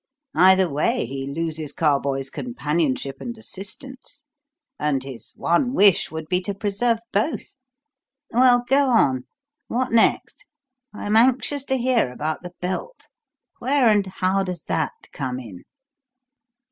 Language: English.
Either way he loses Carboys' companionship and assistance; and his one wish would be to preserve both. Well, go on. What next? I'm anxious to hear about the belt. Where and how does that come in?"